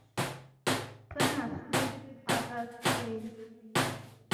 Some are streaked, others plain.